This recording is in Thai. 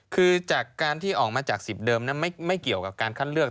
คือจากการที่ออกมาจาก๑๐เดิมนั้นไม่เกี่ยวกับการคัดเลือก